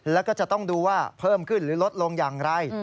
แล้วก็จะต้องดูว่าเพิ่มขึ้นหรือลดลงอย่างไร